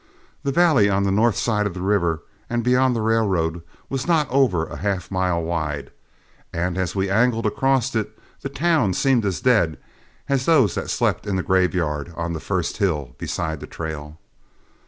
The valley on the north side of the river, and beyond the railroad, was not over half a mile wide, and as we angled across it, the town seemed as dead as those that slept in the graveyard on the first hill beside the trail.